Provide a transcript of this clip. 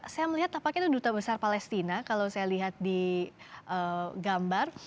saya melihat apakah itu duta besar palestina kalau saya lihat di gambar